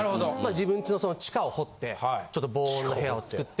自分ちの地下を掘ってちょっと防音の部屋を作って。